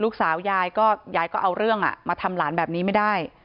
ยายก็ยายก็เอาเรื่องมาทำหลานแบบนี้ไม่ได้